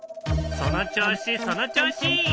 その調子その調子！